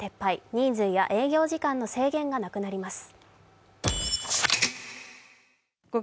人数や営業時間の制限がなくなります。